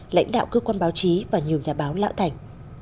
lãnh đạo cơ quan báo chí và nhiều nhà báo lão thành